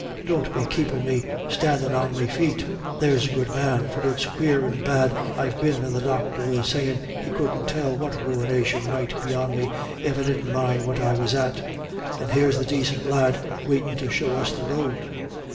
Don't be keepin' me standin' on me feet, there's a good man, for it's quare and bad I've been, and the doctor was sayin' he couldn't tell what ruination mightn't be on me if I didn't mind what I was at. And here's the dacint lad waitin' to show us the road.